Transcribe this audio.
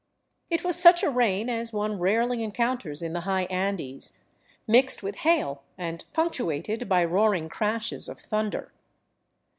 It was such a rain as one rarely encounters in the high Andes, mixed with hail and punctuated by roaring crashes of thunder.